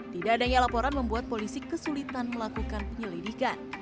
tidak adanya laporan membuat polisi kesulitan melakukan penyelidikan